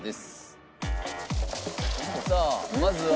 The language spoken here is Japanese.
さあまずは。